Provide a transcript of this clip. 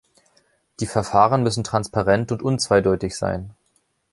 Die Verfahren müssen transparent und unzweideutig sein.